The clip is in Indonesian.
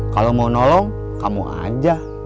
kalau mau nolong kamu aja